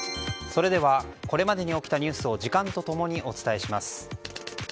それではここまでに起きたニュースを時間と共にお伝えします。